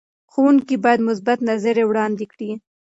ښوونکي باید مثبتې نظریې وړاندې کړي.